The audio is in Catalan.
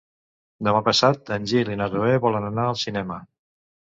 Demà passat en Gil i na Zoè volen anar al cinema.